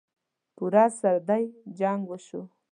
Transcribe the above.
پوره صدۍ جـنګ وشو.